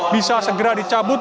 bisa segera dicabut